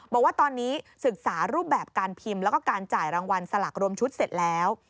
บอกว่าตอนนี้ศึกษารูปแบบการพิมพ์แล้วก็การจ่ายรางวัลสลากรวมชุดเสร็จแล้ว